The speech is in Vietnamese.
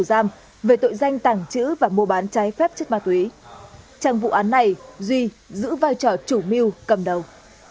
giam về tội danh tảng chữ và mua bán cháy phép chất ma túy trong vụ án này duy giữ vai trò chủ mưu cầm đầu